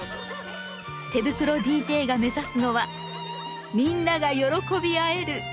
手袋ＤＪが目指すのはみんなが喜び合えるものづくりです。